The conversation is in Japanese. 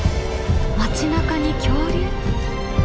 街なかに恐竜！？